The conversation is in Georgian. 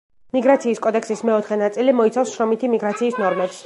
მიგრაციის კოდექსის მეოთხე ნაწილი მოიცავს შრომითი მიგრაციის ნორმებს.